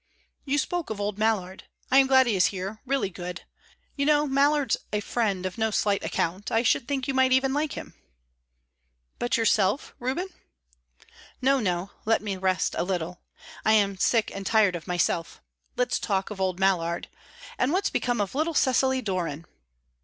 "You spoke of old Mallard. I'm glad he is here, really glad. You know, Mallard's a fellow of no slight account; I should think you might even like him." "But yourself, Reuben?" "No, no; let me rest a little. I'm sick and tired of myself. Let's talk of old Mallard. And what's become of little Cecily Doran?"